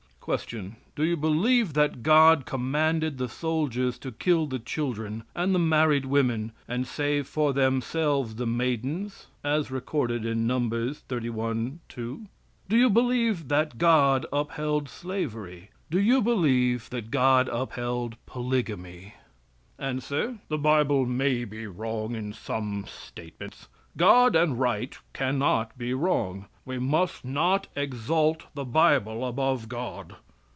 Q. Do you believe that God commanded the soldiers to kill the children and the married women and save for themselves the maidens, as recorded in Numbers 31:2? Do you believe that God upheld slavery? Do you believe that God upheld polygamy? A. "The Bible may be wrong in some statements. God and right can not be wrong. We must not exalt the Bible above God.